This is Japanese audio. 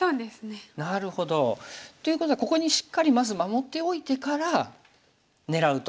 なるほど。ということはここにしっかりまず守っておいてから狙うと。